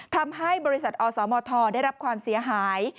ทำให้บริษัทอสมทได้รับความเสียหาย